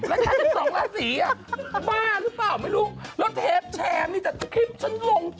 แล้วเทปแชมนี่แต่คลิปฉันหลงเต็มแล้วฉันอ้ายฉันอ้ายเจ้า